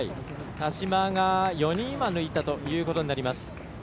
田島が４人抜いたということになります。